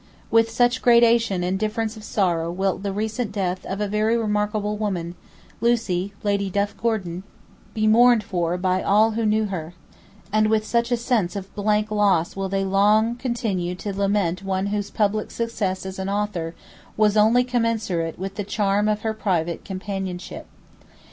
With such gradation and difference of sorrow will the recent death of a very remarkable woman, Lucie, Lady Duff Gordon, be mourned for by all who knew her, and with such a sense of blank loss will they long continue to lament one whose public success as an author was only commensurate with the charm of her private companionship.